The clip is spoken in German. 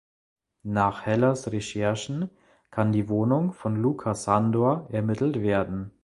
Nach Hellers Recherchen kann die Wohnung von Luca Sandor ermittelt werden.